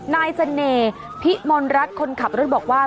นายเสน่ห์พิมลรัฐคนขับรถบอกว่า